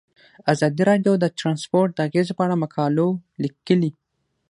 ازادي راډیو د ترانسپورټ د اغیزو په اړه مقالو لیکلي.